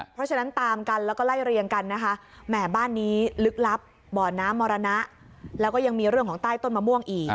เพราะฉะนั้นตามกันแล้วก็ไล่เรียงกันนะคะแหม่บ้านนี้ลึกลับบ่อน้ำมรณะแล้วก็ยังมีเรื่องของใต้ต้นมะม่วงอีก